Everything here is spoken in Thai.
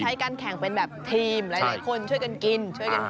เขาใช้การแข่งเป็นแบบทีมหลายคนช่วยกันกิน